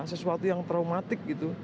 sesuatu yang traumatik gitu